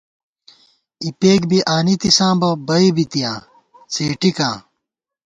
اِپېک بی آنِتِساں بہ بئ بِتِیاں څېٹِکاں